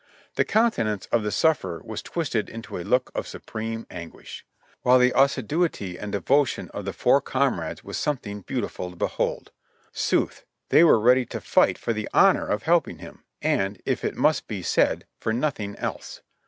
The countenance of the sufferer was twisted into a look of supreme anguish ; while the assiduity and devotion of the four comrades was something beautiful to behold; sooth, they were ready to fig ht for the honor of helping him — and, if it must be said, for nothing else.